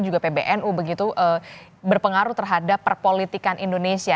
juga pbnu begitu berpengaruh terhadap perpolitikan indonesia